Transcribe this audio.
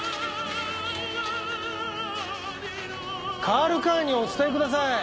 カール・カーンにお伝えください。